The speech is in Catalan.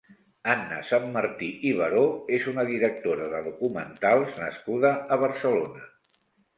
Anna Sanmartí i Baró és una directora de documentals nascuda a Barcelona.